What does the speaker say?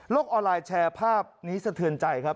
ออนไลน์แชร์ภาพนี้สะเทือนใจครับ